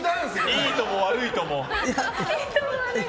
いいとも悪いとも。